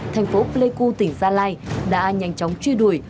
thành phố pleiku tỉnh gia lai đã nhanh chóng truy đuổi